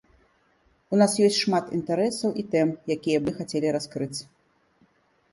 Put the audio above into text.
У нас ёсць шмат інтарэсаў і тэм, якія б мы хацелі раскрыць.